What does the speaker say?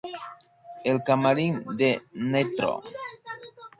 El camarín de Ntro.